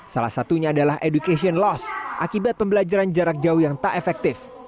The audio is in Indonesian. salah satunya adalah education loss akibat pembelajaran jarak jauh yang tak efektif